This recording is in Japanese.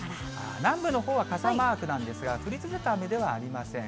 南部のほうは傘マークなんですが、降り続く雨ではありません。